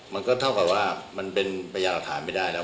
มันก็เท่ากับว่ามันเป็นประหยัดอาถารณ์ไม่ได้แล้ว